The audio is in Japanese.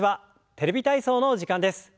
「テレビ体操」の時間です。